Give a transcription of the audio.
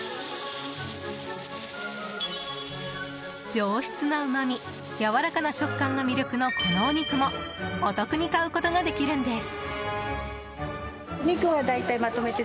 上質なうまみやわらかな食感が魅力のこのお肉もお得に買うことができるんです。